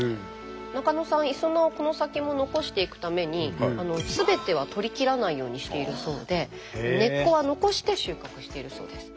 中野さんいそなをこの先も残していくためにすべては採りきらないようにしているそうで根っこは残して収穫しているそうです。